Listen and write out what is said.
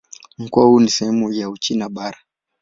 Mkoa huu ni sehemu ya Uchina Bara.